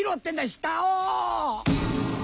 下を！